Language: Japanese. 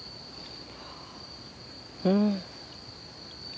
うん。